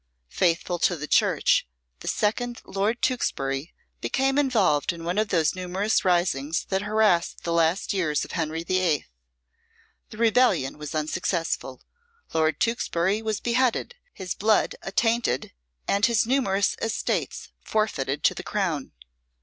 Faithful to the Church, the second Lord Tewkesbury became involved in one of those numerous risings that harassed the last years of Henry the Eighth. The rebellion was unsuccessful, Lord Tewkesbury was beheaded, his blood attainted, and his numerous estates forfeited to the Crown.